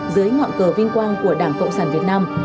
dưới ngọn cờ vinh quang của đảng cộng sản việt nam